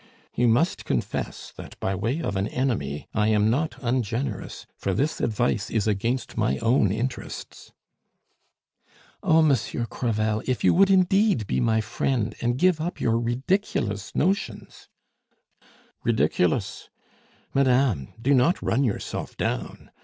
You must confess that by way of an enemy I am not ungenerous, for this advice is against my own interests." "Oh, Monsieur Crevel, if you would indeed be my friend and give up your ridiculous notions " "Ridiculous? Madame, do not run yourself down.